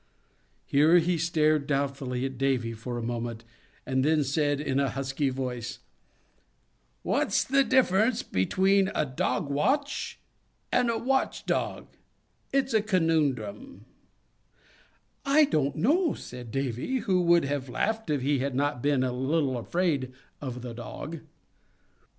Here he stared doubtfully at Davy for a moment, and then said, in a husky voice: "What's the difference between a dog watch and a watch dog? It's a conundrum." [Illustration: DAVY ASSISTS THE OLD SEA DOG.] "I don't know," said Davy, who would have laughed if he had not been a little afraid of the Dog.